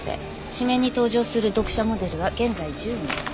紙面に登場する読者モデルは現在１０名。